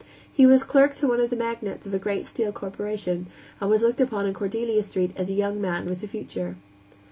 He was clerk to one of the magnates of a great steel corporation, and was looked upon in Cordelia Street as a young man with a future.